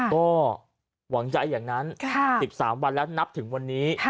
ก็หวังใจอย่างนั้น๑๓วันแล้วนับถึงวันนี้